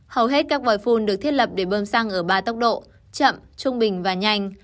hầu hết các vòi phun được thiết lập để bơm xăng ở ba tốc độ chậm trung bình và nhanh